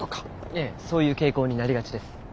ええそういう傾向になりがちです。